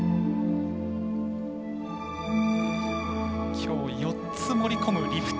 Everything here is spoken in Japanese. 今日４つ盛り込むリフト。